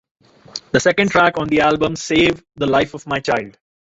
The second track on the album, Save the Life of My Child.